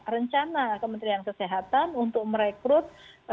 rencana kementerian kesehatan untuk merekrut